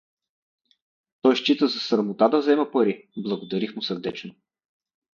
Той счита за срамота да зема пари… Благодарих му сърдечно.